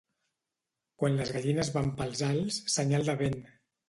Quan les gallines van pels alts, senyal de vent.